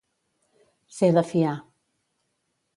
Ser de fiar.